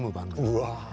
うわ。